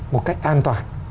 một cách an toàn